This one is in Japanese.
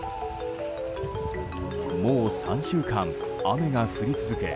もう、３週間雨が降り続け